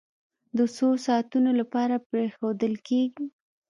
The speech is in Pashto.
د څو ساعتونو لپاره پرېښودل کېږي.